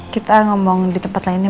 kita ngomong di tempat lainnya